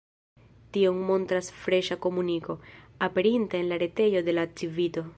Tion montras freŝa komuniko, aperinta en la retejo de la Civito.